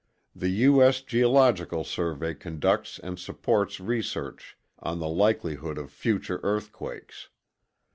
The U.S. Geological Survey conducts and supports research on the likelihood of future earthquakes.